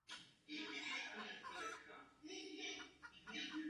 Mnoho bylo vykonáno a věříme, že dosáhneme hmatatelných výsledků.